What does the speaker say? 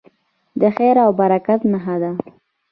د خیر او برکت نښه ده.